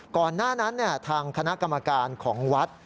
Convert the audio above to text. ก่อนหน้านั้นทางคณะกรรมการของวัด